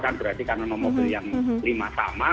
karena nomor yang lima sama